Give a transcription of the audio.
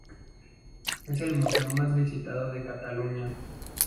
Es el museo más visitado de Cataluña.